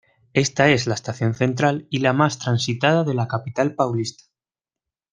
Esta es la estación central y la más transitada de la capital paulista.